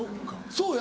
そうや。